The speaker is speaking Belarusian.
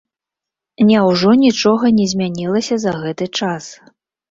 Няўжо нічога не змянялася за гэты час?